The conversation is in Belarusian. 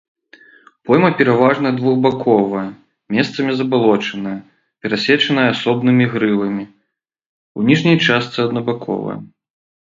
Пойма пераважна двухбаковая, месцамі забалочаная, перасечаная асобнымі грывамі, у ніжняй частцы аднабаковая.